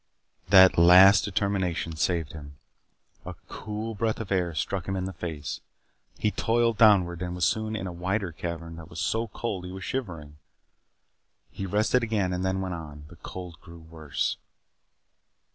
That last determination saved him. A cool breath of air struck him in the face. He toiled downward and was soon in a wider cavern that was so cold that he was shivering. He rested again and then went on. The cold grew worse.